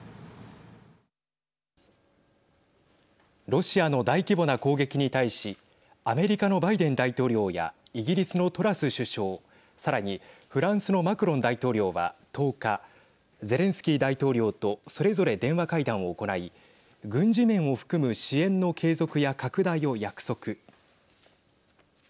ロシアの大規模な攻撃に対しアメリカのバイデン大統領やイギリスのトラス首相さらにフランスのマクロン大統領は１０日ゼレンスキー大統領とそれぞれ電話会談を行い軍事面を含む支援の継続や拡大を約束。